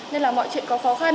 nên là mọi chuyện có khó khăn